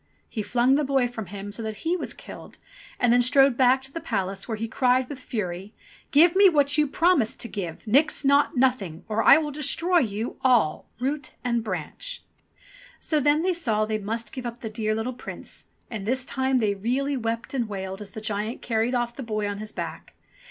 He flung the boy from him so that he was killed, and then strode back to the palace, where he cried with fury: "Give me what you promised to give, Nix Naught Nothing, or I will destroy you all, root and branch." So then they saw they must give up the dear little Prince, and this time they really wept and wailed as the giant carried off the boy on his back.